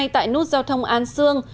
tại nút giao thông an sương